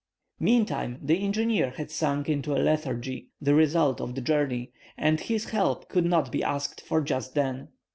Meantime, the engineer had sunk into a lethargy, the result of the journey, and his help could not be asked for just then.